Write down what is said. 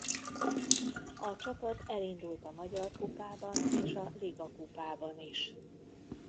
A csapat elindult a magyar kupában és a ligakupában is.